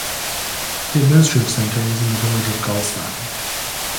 The administrative centre was the village of Gullstein.